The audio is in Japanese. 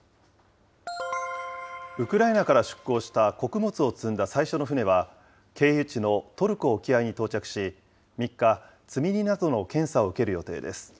ウクライナから出港した穀物を積んだ最初の船は経由地のトルコ沖合に到着し、３日、積み荷などの検査を受ける予定です。